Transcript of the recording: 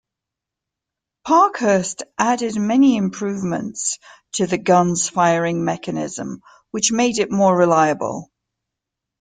Parkhurst added many improvements to the gun's firing mechanism which made it more reliable.